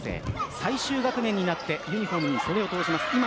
最終学年になってユニホームに袖を通します。